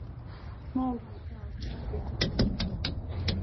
Small white dog jumping to catch a ball